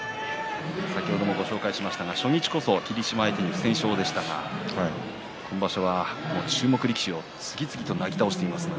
先ほどもご紹介しましたが初日、霧島に不戦勝でしたが今場所は、注目力士を次々となぎ倒しています。